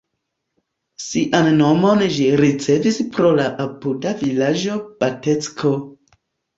Sian nomon ĝi ricevis pro la apuda vilaĝo Batecko.